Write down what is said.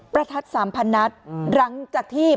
ประทัด๓๐๐นัดหลังจากที่